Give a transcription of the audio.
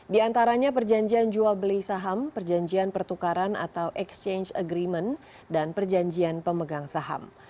di antaranya perjanjian jual beli saham perjanjian pertukaran atau exchange agreement dan perjanjian pemegang saham